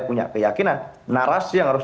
punya keyakinan narasi yang harus